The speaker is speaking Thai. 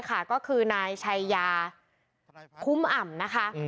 ก็คือหน้าชายยาคุมอ่ำ